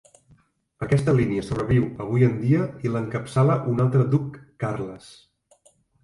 Aquesta línia sobreviu avui en dia i l'encapçala un altre Duc Carles.